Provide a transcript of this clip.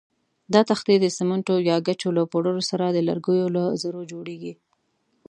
دا تختې د سمنټو یا ګچو له پوډرو سره د لرګیو له ذرو جوړېږي.